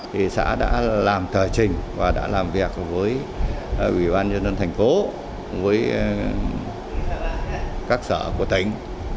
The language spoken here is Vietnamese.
thì xã đã làm thờ trình và đã làm việc với ủy ban nhân dân thành phố với các sở của tỉnh